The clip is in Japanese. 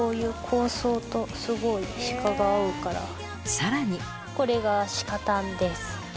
さらにこれが鹿タンです。